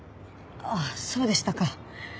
あっそうでしたか。